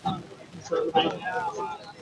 নিসার আলি বললেন, তুমি কী বলতে চাচ্ছ বল।